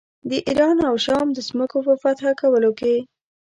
د ایران او شام د ځمکو په فتح کولو کې.